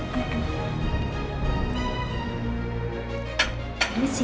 selamat menikmati silahkan